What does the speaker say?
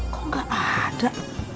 kok gak ada